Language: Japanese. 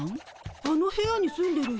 あの部屋に住んでる人